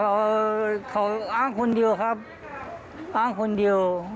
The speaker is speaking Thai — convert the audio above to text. เอ่อเขาอ้างคนเดียวครับอ้างคนเดียว